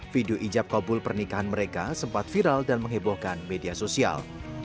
video ijab kabul pernikahan mereka sempat viral dan menghebohkan media sosial